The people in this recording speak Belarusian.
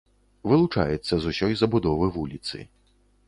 Вылучаецца з усёй забудовы вуліцы.